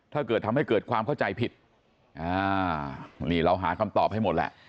ถ้าเกิดทำให้เกิดความเข้าใจผิดนี่เราหาคำตอบให้หมดแหละ